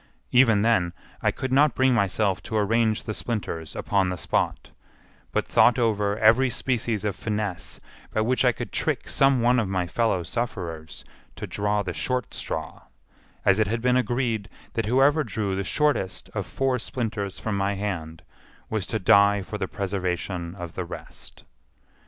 Even then I could not bring myself to arrange the splinters upon the spot, but thought over every species of finesse by which I could trick some one of my fellow sufferers to draw the short straw, as it had been agreed that whoever drew the shortest of four splinters from my hand was to die for the preservation of the rest.